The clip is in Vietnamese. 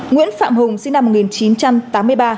nguyễn phạm hùng sinh năm một nghìn chín trăm tám mươi ba